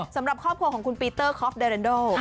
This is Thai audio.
สำหรับครอบครัวของคุณปีเตอร์คอฟเดเรนโด